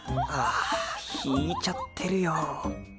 あ引いちゃってるよ